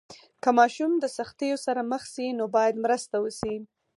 که ماشوم د سختیو سره مخ سي، نو باید مرسته وسي.